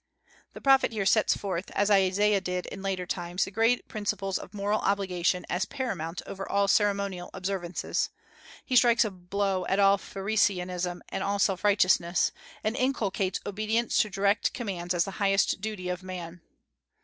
The prophet here sets forth, as did Isaiah in later times, the great principles of moral obligation as paramount over all ceremonial observances. He strikes a blow at all pharisaism and all self righteousness, and inculcates obedience to direct commands as the highest duty of man.